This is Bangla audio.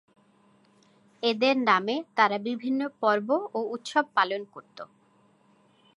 এদের নামে তারা বিভিন্ন পর্ব ও উৎসব পালন করত।